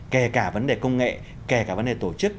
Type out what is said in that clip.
kể cả vấn đề công nghệ kể cả vấn đề tổ chức